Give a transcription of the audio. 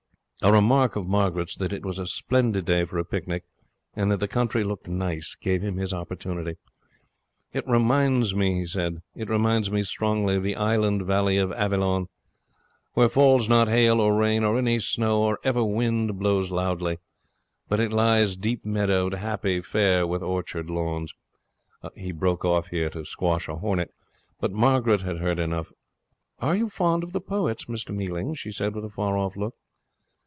A remark of Margaret's that it was a splendid day for a picnic and that the country looked nice gave him his opportunity. 'It reminds me,' he said, 'it reminds me strongly of the Island Valley of Avilion, where falls not hail, or rain, or any snow, nor ever wind blows loudly; but it lies deep meadow'd, happy, fair, with orchard lawns....' He broke off here to squash a hornet; but Margaret had heard enough. 'Are you fond of the poets, Mr Mealing?' she said, with a far off look.